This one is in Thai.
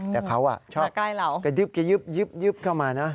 แต่เขาชอบกระดึ๊บเข้ามานะ